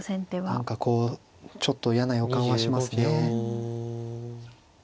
何かこうちょっと嫌な予感はしますね。